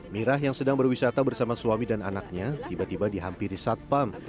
mirah yang sedang berwisata bersama suami dan anaknya tiba tiba dihampiri satpam